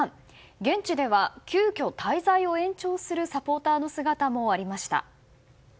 現地では急きょ滞在を延長するサポーターの姿もありました。